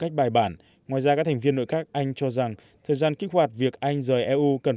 cách bài bản ngoài ra các thành viên nội các anh cho rằng thời gian kích hoạt việc anh rời eu cần